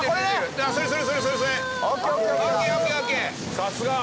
さすが！